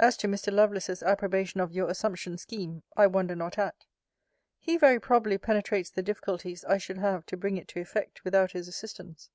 As to Mr. Lovelace's approbation of your assumption scheme, I wonder not at. He very probably penetrates the difficulties I should have to bring it to effect, without his assistance.